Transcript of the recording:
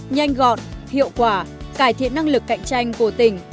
nhanh gọn hiệu quả cải thiện năng lực cạnh tranh của tỉnh